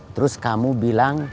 terus kamu bilang